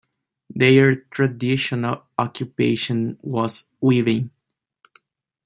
Their traditional occupation was weaving.